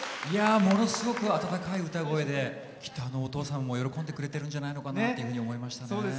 ものすごく温かい歌声できっとお父さんも喜んでくれてるんじゃないかなと思いましたね。